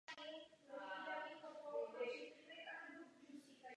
Studoval na střední dřevařské škole.